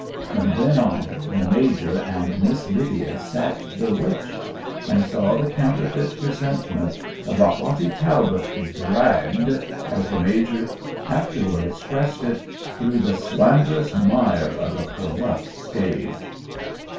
From then on, the Major and Miss Lydia sat bewitched, and saw the counterfeit presentment of a haughty Talbot "dragged," as the Major afterward expressed it, "through the slanderous mire of a corrupt stage."